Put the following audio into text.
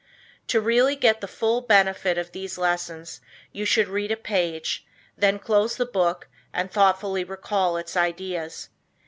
To really get the full benefit of these lessons you should read a page, then close the book and thoughtfully recall its ideas.